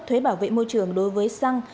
thuế bảo vệ môi trường đối với săng